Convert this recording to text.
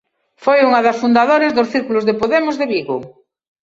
Foi unha das fundadoras dos círculos de Podemos de Vigo.